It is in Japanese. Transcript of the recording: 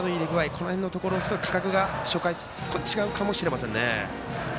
このところ、感覚が初回違うかもしれませんね。